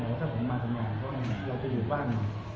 หรือถ้าผมไม่มาทำงานแล้วเราจะอยู่บ้าน